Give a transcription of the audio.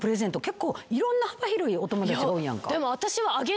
結構いろんな幅広いお友達が多いやんか。